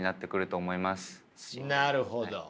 なるほど。